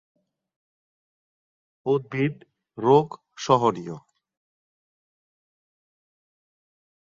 উদ্ভিদ রোগ-সহনীয়।